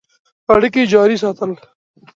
اړیکي جاري ساتل.